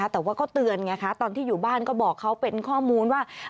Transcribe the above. แต่ว่าก็เตือนไงคะตอนที่อยู่บ้านก็บอกเขาเป็นข้อมูลว่า